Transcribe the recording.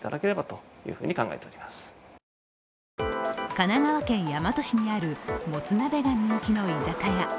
神奈川県大和市にあるもつ鍋が人気の居酒屋。